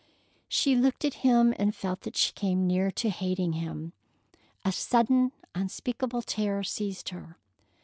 She looked at him and felt that she came near to hating him. A sudden, unspeakable terror seized her.